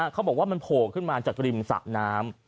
เขาบอกว่ามันโผล่ขึ้นมาจากริมสะน้ำ